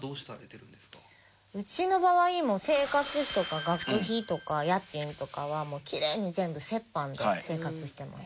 うちの場合もう生活費とか学費とか家賃とかはきれいに全部折半で生活してます。